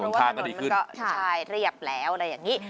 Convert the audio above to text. เพราะว่าถนนมันก็ใช่เรียบแล้วอะไรอย่างนี้